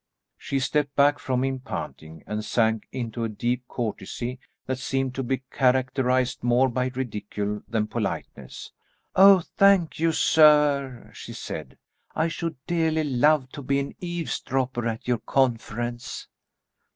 She stepped back from him panting, and sank into a deep courtesy that seemed to be characterised more by ridicule than politeness. "Oh, thank you, sir," she said. "I should dearly love to be an eavesdropper at your conference."